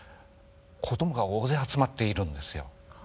子供が大勢集まっているんですよ。